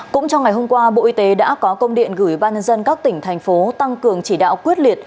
cũng trong ngày hôm qua bộ y tế đã có công điện gửi ban nhân dân các tỉnh thành phố tăng cường chỉ đạo quyết liệt